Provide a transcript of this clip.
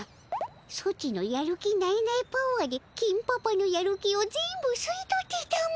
ソチのやる気ナエナエパワーで金パパのやる気を全部すい取ってたも！